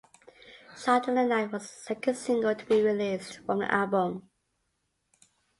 "Shot In the Night" was the second single to be released from the album.